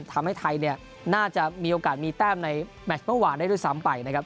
ทำให้ไทยเนี่ยน่าจะมีโอกาสมีแต้มในแมชเมื่อวานได้ด้วยซ้ำไปนะครับ